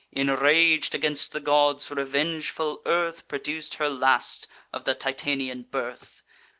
Inrag'd against the gods, revengeful Earth Produc'd her last of the Titanian birth.